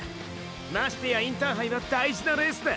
ましてやインターハイは大事なレースだ。